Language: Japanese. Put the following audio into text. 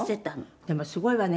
「でもすごいわね